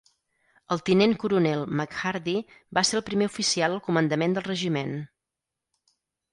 El tinent coronel McHardy va ser el primer oficial al comandament del regiment.